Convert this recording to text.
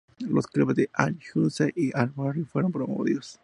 Los clubes Al-Hussein y Al-Bahri fueron promovidos.